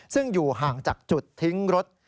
ซึ่งอยู่ห่างจากจุดทิ้งรถ